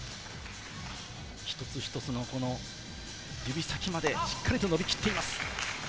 一つ一つの指先までしっかり伸びきっています。